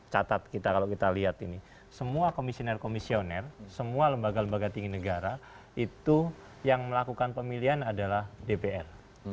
catat kita kalau kita lihat ini semua komisioner komisioner semua lembaga lembaga tinggi negara itu yang melakukan pemilihan adalah dpr